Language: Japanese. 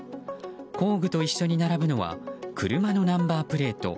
工具と一緒に並ぶのは車のナンバープレート。